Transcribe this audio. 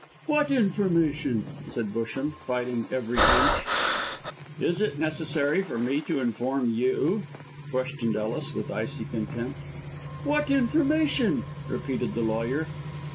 "What information?" said Busham, fighting every inch. "Is it necessary for me to inform you?" questioned Ellis, with icy contempt. "What information?" repeated the lawyer.